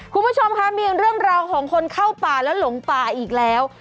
คุณผู้ชมคะมีเรื่องราวของคนเข้าป่าแล้วหลงป่าอีกแล้ว